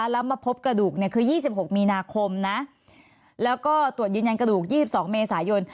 แล้วมาพบกระดูกเนี่ยคือ๒๖มีนาคมนะแล้วก็ตรวจยืนยันกระดูก๒๒เมษายน